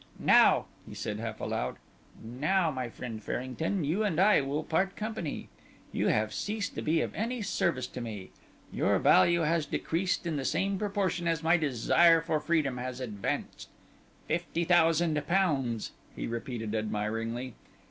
"Now," he said half aloud, "now, my friend Farrington, you and I will part company. You have ceased to be of any service to me; your value has decreased in the same proportion as my desire for freedom has advanced. Fifty thousand pounds!" he repeated admiringly.